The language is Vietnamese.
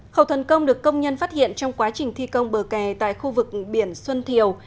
khẩu thần công được công nhân phát hiện trong quá trình thi công bờ kè tại khu vực biển xuân thiều